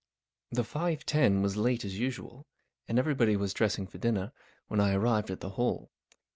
T HE five ten was late as usual, and every¬ body was dressing for dinner when I arrived at the Hall.